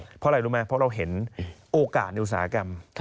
เพราะอะไรรู้ไหมเพราะเราเห็นโอกาสในอุตสาหกรรม